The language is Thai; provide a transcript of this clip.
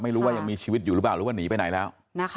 ยังมีชีวิตอยู่หรือเปล่าหรือว่าหนีไปไหนแล้ว